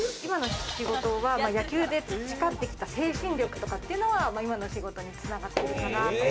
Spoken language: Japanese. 今の仕事は野球で培ってきた精神力とかっていうのは、今の仕事に繋がっているかなと。